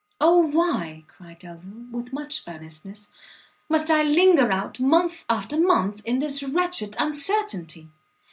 "Oh why," cried Delvile, with much earnestness, "must I linger out month after month in this wretched uncertainty!